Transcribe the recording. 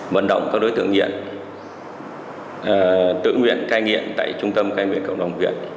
mận động các đối tượng nghiện tự nguyện cai nghiện tại trung tâm cai nghiện cộng đồng huyện